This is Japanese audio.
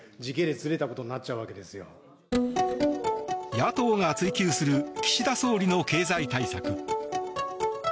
野党が追及する岸田総理の経済対策。